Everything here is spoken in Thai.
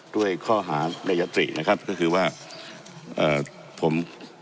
ด้วยข้อหาในยตินะครับก็คือว่าเอ่อผม